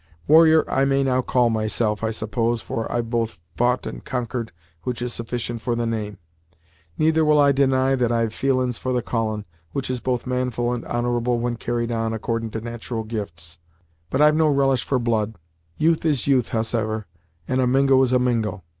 Warrior I may now call myself, I suppose, for I've both fou't and conquered, which is sufficient for the name; neither will I deny that I've feelin's for the callin', which is both manful and honorable when carried on accordin' to nat'ral gifts, but I've no relish for blood. Youth is youth, howsever, and a Mingo is a Mingo.